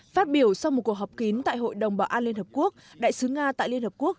phát biểu sau một cuộc họp kín tại hội đồng bảo an liên hợp quốc đại sứ nga tại liên hợp quốc